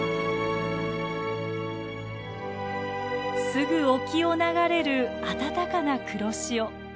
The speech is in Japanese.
すぐ沖を流れるあたたかな黒潮。